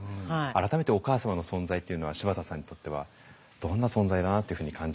改めてお母様の存在っていうのは柴田さんにとってはどんな存在だなっていうふうに感じますか？